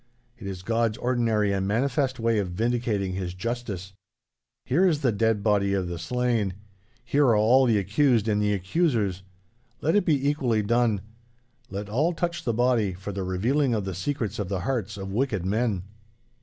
It is God's ordinary and manifest way of vindicating His justice. Here is the dead body of the slain. Here are all the accused and the accusers. Let it be equally done. Let all touch the body, for the revealing of the secrets of the hearts of wicked men.